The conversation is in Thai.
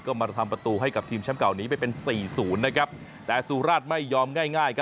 ก็มาทำประตูให้กับทีมแชมป์เก่าหนีไปเป็นสี่ศูนย์นะครับแต่สุราชไม่ยอมง่าย